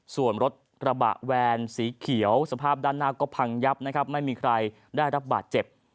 ส่วนรถกระบะแวนสีเขียวสภาพด้านหน้าก็พังยับนะครับไม่มีใครได้รับบาดเจ็บ